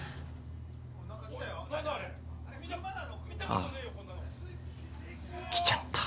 あっ来ちゃった。